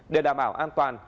để đảm bảo